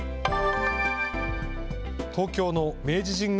東京の明治神宮